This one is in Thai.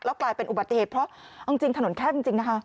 กลายเป็นอุบัติเหตุเพราะเอาจริงถนนแคบจริงนะคะ